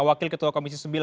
wakil ketua komisi sembilan